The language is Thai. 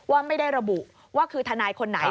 ว่าไม่ได้ระบุว่าคือทนายคนไหน